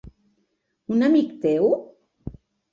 Un amic teu?